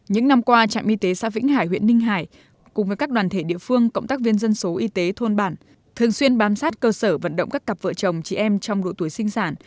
những năm qua trạm y tế xã vĩnh hải huyện ninh hải cùng với các đoàn thể địa phương cộng tác viên dân số y tế thôn bản thường xuyên bám sát cơ sở vận động các cặp vợ chồng chị em trong độ tuổi sinh sản